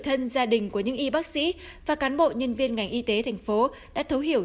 thân gia đình của những y bác sĩ và cán bộ nhân viên ngành y tế thành phố đã thấu hiểu